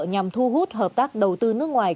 nhằm thu hút hợp tác đầu tư nước ngoài